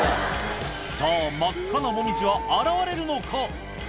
さぁ真っ赤なもみじは現れるのか？